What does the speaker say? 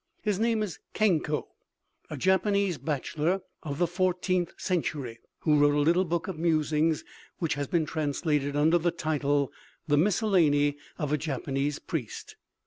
His name is Kenko, a Japanese bachelor of the fourteenth century, who wrote a little book of musings which has been translated under the title "The Miscellany of a Japanese Priest."